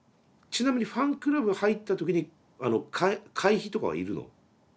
ちなみにファンクラブ入った時に会費とかは要るの？